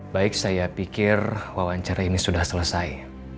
baik saya pikir wawancara ini sudah selesai